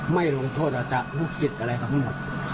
ไม่ลงโทษอาจารย์ลูกศิษย์อะไรกันหมด